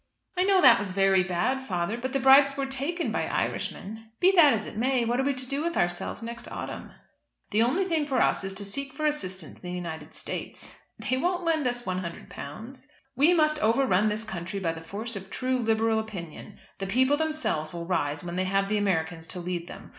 "I know that was very bad, father, but the bribes were taken by Irishmen. Be that as it may, what are we to do with ourselves next autumn?" "The only thing for us is to seek for assistance in the United States." "They won't lend us £100." "We must overrun this country by the force of true liberal opinion. The people themselves will rise when they have the Americans to lead them.